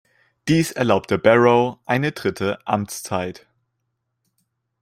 Dies erlaubte Barrow eine dritte Amtszeit.